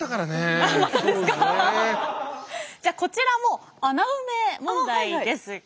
じゃあこちらも穴埋め問題です。